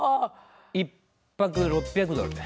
１泊６００ドルだ。